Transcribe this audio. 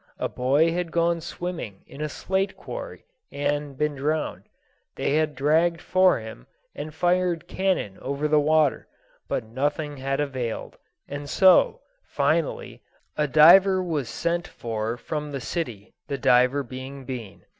A boy had gone swimming in a slate quarry, and been drowned; they had dragged for him, and fired cannon over the water, but nothing had availed, and so, finally, a diver was sent for from the city, the diver being Bean.